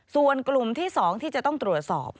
ส่วนกลุ่มที่๒ที่จะต้องตรวจสอบ